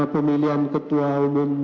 pemilihan ketua umum